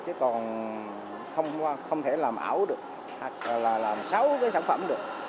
chứ còn không thể làm ảo được hoặc là làm sáu cái sản phẩm được